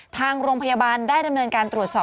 ทางโรงพยาบาลได้ดำเนินการตรวจสอบ